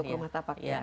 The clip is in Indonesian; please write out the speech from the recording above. untuk rumah tapak ya